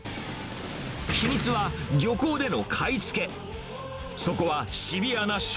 秘密は、漁港での買い付け。